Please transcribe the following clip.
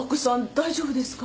大丈夫ですか？